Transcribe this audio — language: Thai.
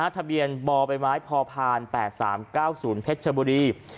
ทะเบียนบบพภ๘๓๙๐เพชรบุรี